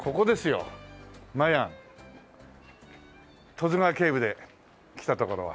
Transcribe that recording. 『十津川警部』で来た所は。